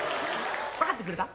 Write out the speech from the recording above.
分かってくれた？